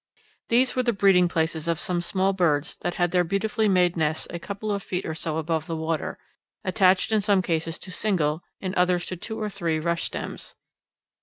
These were the breeding places of some small birds that had their beautifully made nests a couple of feet or so above the water, attached in some cases to single, in others to two or three, rush stems.